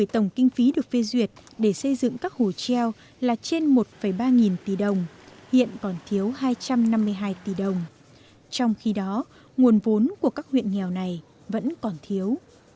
trong thời gian nguồn vốn của các huyện nghèo này vẫn còn thiếu